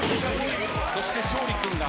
そして勝利君が２つ。